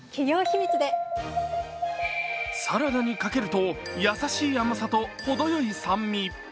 サラダにかけると優しい甘さとほどよい酸味。